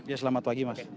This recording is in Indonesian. ya selamat pagi mas